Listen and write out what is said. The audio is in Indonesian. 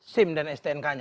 sim dan stnk nya